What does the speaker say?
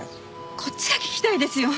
こっちが聞きたいですよ。